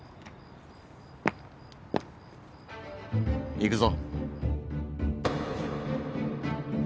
行くぞ。